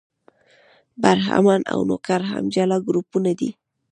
برهمن او نوکر هم جلا ګروپونه دي.